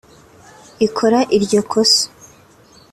ikora iryo kosa